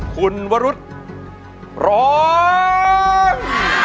คุณวรุษร้อง